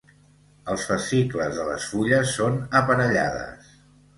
Els fascicles de les fulles són aparellades.